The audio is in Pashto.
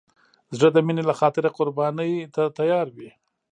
زړه د مینې له خاطره قرباني ته تیار وي.